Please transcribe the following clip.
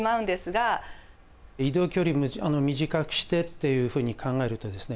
移動距離短くしてというふうに考えるとですね